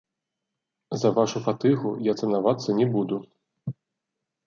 За вашу фатыгу я цанавацца не буду!